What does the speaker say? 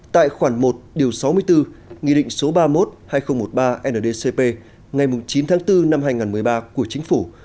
tại khoản một sáu mươi bốn nghị định số ba mươi một hai nghìn một mươi ba ndcp ngày chín tháng bốn năm hai nghìn một mươi ba của chính phủ